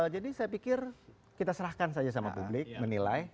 jadi saya pikir kita serahkan saja sama publik menilai